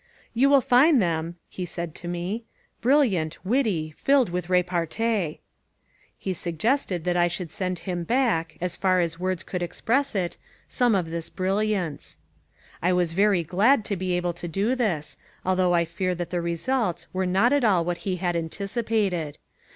"You will find them," he said to me, "brilliant, witty, filled with repartee." He suggested that I should send him back, as far as words could express it, some of this brilliance. I was very glad to be able to do this, although I fear that the results were not at all what he had anticipated.